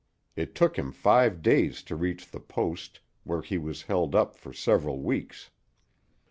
It took him five days to reach the post, where he was held up for several weeks.